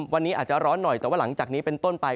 วันนี้อาจจะร้อนหน่อยแต่ว่าหลังจากนี้เป็นต้นไป